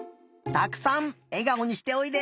たくさんえがおにしておいで。